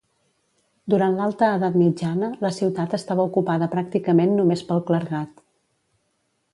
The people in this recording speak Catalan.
Durant l'alta edat mitjana, la ciutat estava ocupada pràcticament només pel clergat.